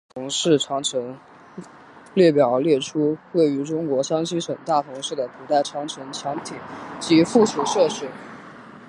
大同市长城列表列出位于中国山西省大同市的古代长城墙体及附属设施。